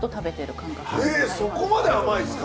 えっそこまで甘いんすか？